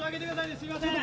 すみません。